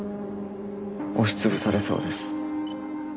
押しつぶされそうです。